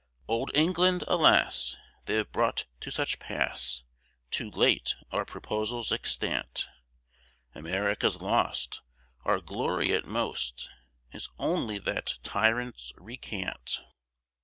Old England, alas! They have brought to such pass, Too late are proposals extant; America's lost, Our glory at most Is only that tyrants recant.